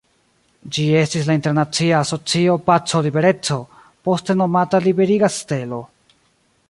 Ĝi estis la Internacia Asocio Paco-Libereco, poste nomata Liberiga Stelo.